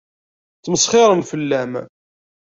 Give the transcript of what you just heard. Ttmesxiṛen fell-am.